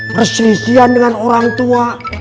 persisian dengan orang tua